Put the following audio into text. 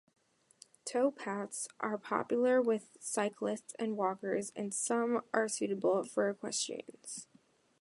Towpaths are popular with cyclists and walkers, and some are suitable for equestrians.